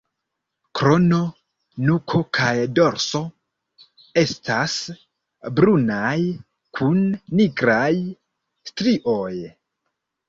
Krono, nuko kaj dorso estas brunaj kun nigraj strioj.